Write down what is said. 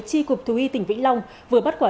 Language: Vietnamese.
tri cục thú y tỉnh vĩnh long vừa bắt quả